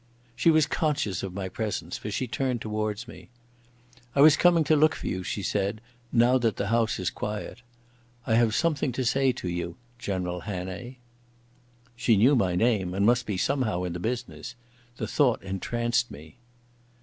She was conscious of my presence, for she turned towards me. "I was coming to look for you," she said, "now that the house is quiet. I have something to say to you, General Hannay." She knew my name and must be somehow in the business. The thought entranced me.